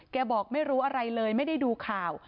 บอกไม่รู้อะไรเลยไม่ได้ดูข่าว